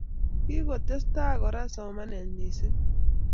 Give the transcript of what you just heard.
Kikotestai kora somanet mising